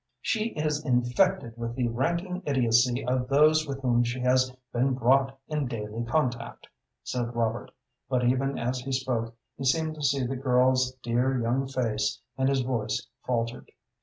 "She is infected with the ranting idiocy of those with whom she has been brought in daily contact," said Robert; but even as he spoke he seemed to see the girl's dear young face, and his voice faltered.